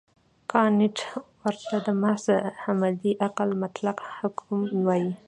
کانټ ورته د محض عملي عقل مطلق حکم وايي.